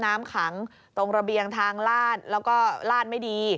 น้ำขังตรงระเบียงทางลาดแล้วก็ลาดไม่ดี